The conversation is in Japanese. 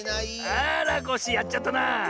あらコッシーやっちゃったな！